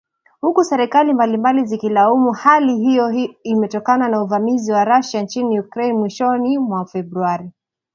huku serikali mbalimbali zikilaumu hali hiyo imetokana na uvamizi wa Russia nchini Ukraine mwishoni mwa Februari